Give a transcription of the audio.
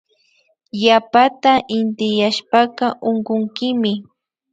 Yapata intiyashpaka unkunkimi